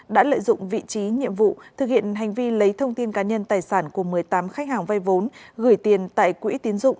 đã lợi dụng vị trí nhiệm vụ thực hiện hành vi lấy thông tin cá nhân tài sản của một mươi tám khách hàng vay vốn gửi tiền tại quỹ tiến dụng